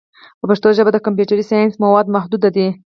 په پښتو ژبه د کمپیوټري ساینس مواد محدود دي.